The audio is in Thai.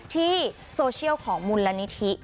ที่โซเชียลของมูลนิธิ